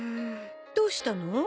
どうしたの？